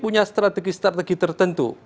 punya strategi strategi tertentu